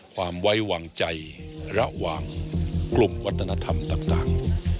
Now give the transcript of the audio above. ความไว้วางใจระหว่างกลุ่มวัฒนธรรมต่าง